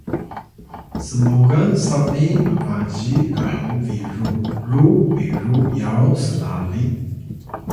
smogan sami mbaziy khu biru ru biru yaw slali